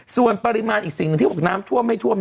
ส่วนปริมาณอีกสิ่งหนึ่งที่บอกน้ำท่วมไม่ท่วม